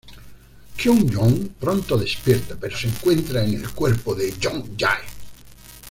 Kyung Joon pronto despierta, pero se encuentra en el cuerpo de Yoon Jae.